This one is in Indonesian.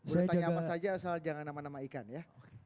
udah tanya apa saja asal jangan nama nama ikan ya